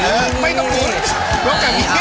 อะไรนะ